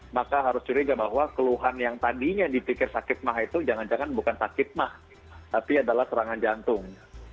maka harus curiga bahwa keluhan yang tadinya dipikir sakit mah itu jangan jangan bukan sakit mah tapi adalah serangan jantung